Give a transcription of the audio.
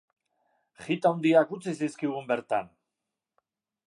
Hit handiak utzi zizkigun bertan!